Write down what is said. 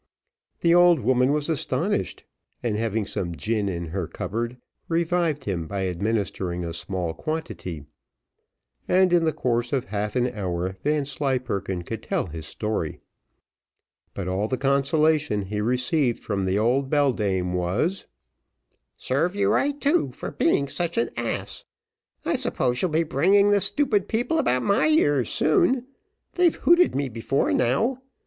The old woman was astonished; and having some gin in her cupboard, revived him by administering a small quantity, and, in the course of half an hour, Vanslyperken could tell his story; but all the consolation he received from the old beldame was, "Serve you right too, for being such an ass. I suppose you'll be bringing the stupid people about my ears soon they've hooted me before now.